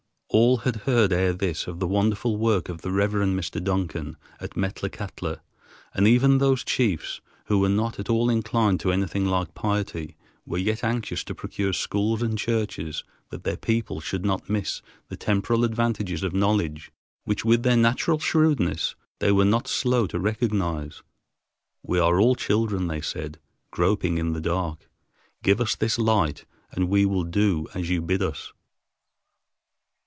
All had heard ere this of the wonderful work of the Reverend Mr. Duncan at Metlakatla, and even those chiefs who were not at all inclined to anything like piety were yet anxious to procure schools and churches that their people should not miss the temporal advantages of knowledge, which with their natural shrewdness they were not slow to recognize. "We are all children," they said, "groping in the dark. Give us this light and we will do as you bid us."